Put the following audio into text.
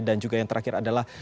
dan juga yang terakhir adalah